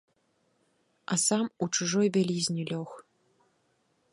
А сам у чужой бялізне лёг.